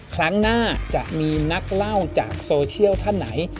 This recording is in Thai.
ครั้งหน้าจะมีนักเล่าจากโซเชียลท่านไหน